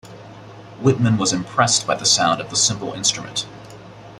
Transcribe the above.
Wittman was impressed by the sound of the simple instrument.